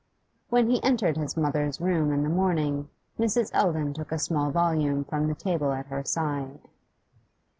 When he entered his mother's room in the morning, Mrs. Eldon took a small volume from the table at her side.